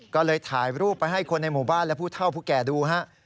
ก็เลยถ่ายรูปไปให้คนในหมู่บ้านและผู้เท่าผู้แก่ดูฮะ